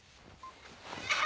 あ！